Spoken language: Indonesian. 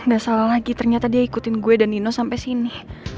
gak salah lagi ternyata dia ikutin gue dan nino sampai sini